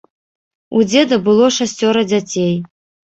У дзеда было шасцёра дзяцей.